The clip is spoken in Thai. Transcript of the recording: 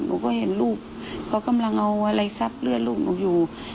หนูก็เห็นลูกเขากำลังเอาอะไรซับเรือลงหนูอยู่